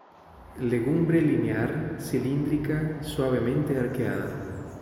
Legumbre linear, cilíndrica, suavemente arqueada.